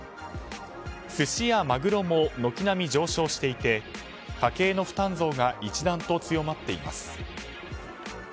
寿司やマグロも軒並み上昇していて家計の負担増が一段と強まっています。